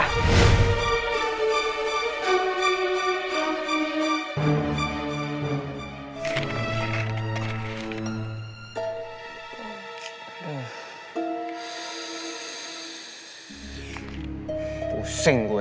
hai pusing gue